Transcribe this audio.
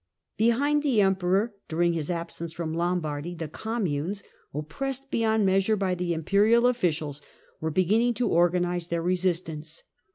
Behind the Emperor, during his absence from Lom The bardy, the communes, oppressed beyond measure by the League imperial officials, were beginning to organize their resist ance.